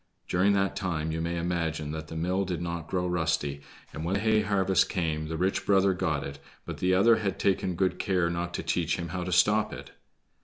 During that time you may imagine that the mill did not grow rusty, and when hay harvest came the rich brother got it, but the other had taken good care not to teach him how to stop it.